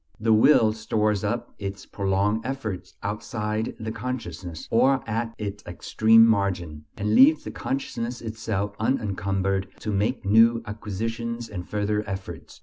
The will stores up its prolonged efforts outside the consciousness, or at its extreme margin, and leaves the consciousness itself unencumbered to make new acquisitions and further efforts.